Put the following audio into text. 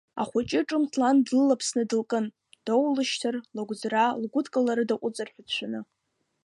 Ахәыҷы ҿымҭ лан длылаԥсны дылкын, доулышьҭыр, лыгәӡра, лгәыдкылара даҟәыҵыр ҳәа дшәаны.